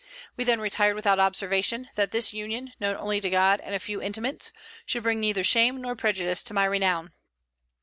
We then retired without observation, that this union, known only to God and a few intimates, should bring neither shame nor prejudice to my renown."